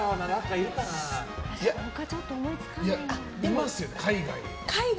いますよ、海外。